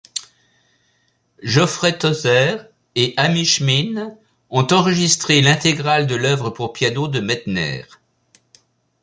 Geoffrey Tozer et Hamish Milne ont enregistré l'intégrale de l'œuvre pour piano de Medtner.